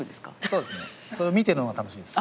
そうですね。それを見てるのが楽しいです。